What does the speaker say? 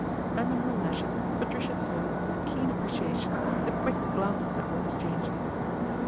Under her lashes Patricia saw, with keen appreciation, the quick glances that were exchanged.